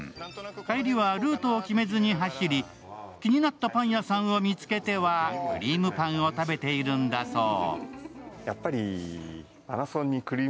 帰りはルートを決めずに走り、気になったパン屋さんを見つけてはクリームパンを食べているんだそう。